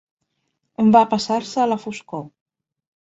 Va passar-se a la foscor.